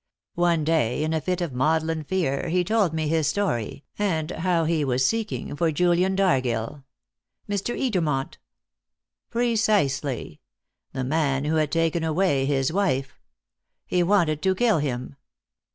One day, in a fit of maudlin fear, he told me his story, and how he was seeking for Julian Dargill." "Mr. Edermont?" "Precisely. The man who had taken away his wife. He wanted to kill him."